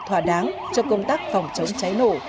thỏa đáng cho công tác phòng chống cháy nổ